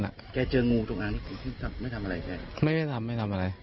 โน้ทไม่ได้ทำอะไรใช่ไหม